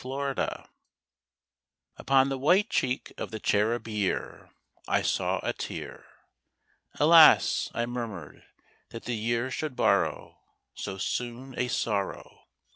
GUERDON. Upon the white cheek of the Cherub Year I saw a tear. Alas! I murmured, that the Year should borrow So soon a sorrow.